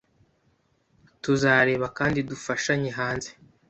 Tuzarebana kandi dufashanye hanze